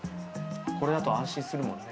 これだと安心するもんね。